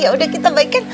yaudah kita baikin